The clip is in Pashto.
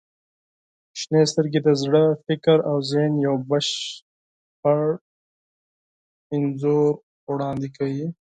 • شنې سترګې د زړه، فکر او ذهن یو بشپړ انځور وړاندې کوي.